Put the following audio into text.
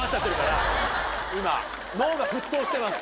脳が沸騰してます。